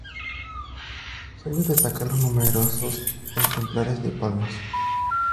Son de destacar los numerosos ejemplares de palmas.